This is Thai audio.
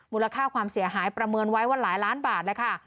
มูลค่าความเสียหายประเมินไว้ว่าหลายล้านบาทเลยค่ะ